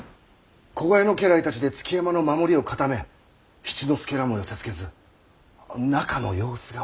子飼いの家来たちで築山の守りを固め七之助らも寄せつけず中の様子が分かりませぬ。